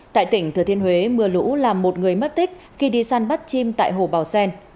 tại tỉnh thừa thiên huế mưa lũ làm một người mất tích khi đi san bắt chim tại hồ bào xen